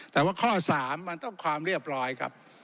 แต่ว่าข้อ๓มันต้องความเรียบร้อยครับ